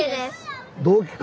同期か。